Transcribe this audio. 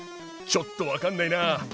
ちょっと分かんないなぁ。